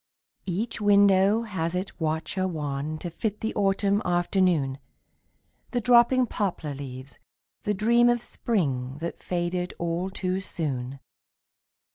Each window has its watcher wan To fit the autumn afternoon, The dropping poplar leaves, the dream Of spring that faded all too soon.